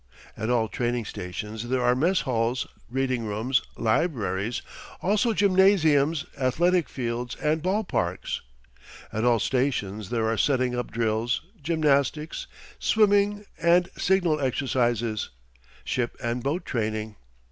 At all training stations there are mess halls, reading rooms, libraries; also gymnasiums, athletic fields, and ball parks. At all stations there are setting up drills, gymnastic, swimming and signal exercises, ship and boat training.